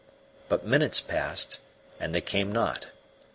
But minutes passed and they came not.